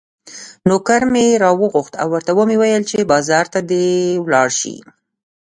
نوکر مې راوغوښت او ورته مې وویل چې بازار ته دې ولاړ شي.